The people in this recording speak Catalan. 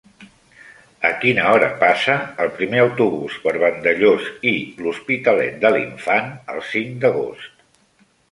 A quina hora passa el primer autobús per Vandellòs i l'Hospitalet de l'Infant el cinc d'agost?